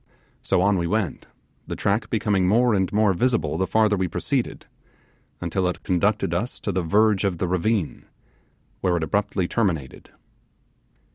So on we went, the track becoming more and more visible the farther we proceeded, until it conducted us to the verge of the ravine, where it abruptly terminated.